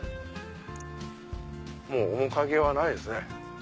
もう面影はないですね。